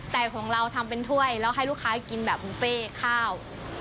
แต่ของเราทำเป็นถ้วยแล้วให้ลูกค้ากินแบบบุฟเฟ่ข้าว